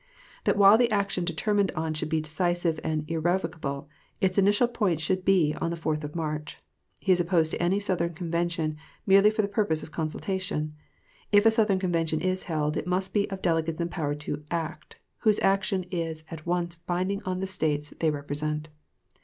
That while the action determined on should be decisive and irrevocable, its initial point should be the 4th of March. He is opposed to any Southern convention, merely for the purpose of consultation. If a Southern convention is held, it must be of delegates empowered to act, whose action is at once binding on the States they represent.